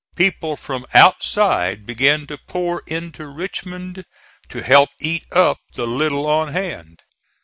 People from outside began to pour into Richmond to help eat up the little on hand.